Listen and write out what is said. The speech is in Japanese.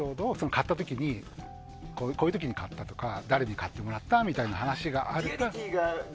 買った時、こういう時買ったとか誰に買ってもらったという話があると。